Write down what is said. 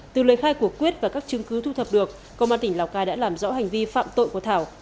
từ lời khai của quyết và các chứng cứ thu thập được công an tỉnh lào cai đã làm rõ hành vi phạm tội của thảo